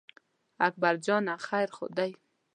اکبر جانه خیر خو دی.